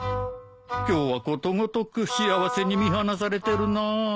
今日はことごとく幸せに見放されてるな。